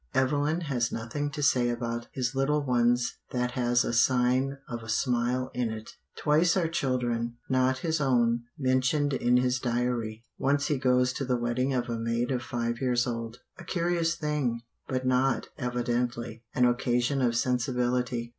Evelyn has nothing to say about his little ones that has a sign of a smile in it. Twice are children, not his own, mentioned in his diary. Once he goes to the wedding of a maid of five years old a curious thing, but not, evidently, an occasion of sensibility.